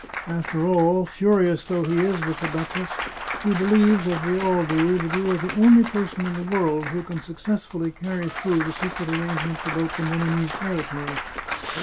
After all, furious though he is with the duchess, he believes, as we all do, that you are the only person in the world who can successfully carry through the secret arrangements 310 The Chartreuse of Parma about the Milanese territory.